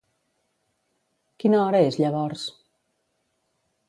Quina hora és llavors?